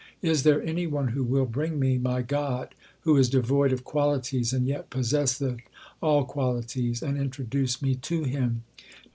Is there any one who will bring me my God who is devoid of qualities, and yet possesseth all qualities and introduce me to Him